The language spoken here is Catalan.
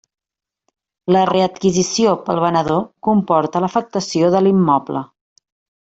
La readquisició pel venedor comporta l'afectació de l'immoble.